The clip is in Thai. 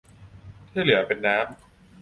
ที่เหลือเป็นน้ำ